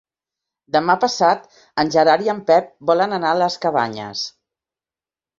Demà passat en Gerard i en Pep volen anar a les Cabanyes.